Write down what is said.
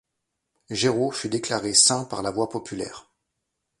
Géraud fut déclaré saint par la voix populaire.